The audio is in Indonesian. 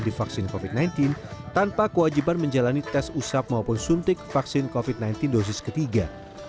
divaksin covid sembilan belas tanpa kewajiban menjalani tes usap maupun suntik vaksin covid sembilan belas dosis ketiga